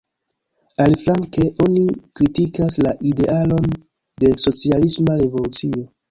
Aliflanke oni kritikas la idealon de socialisma revolucio.